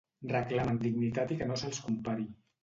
Reclamen dignitat i que no se'ls compari.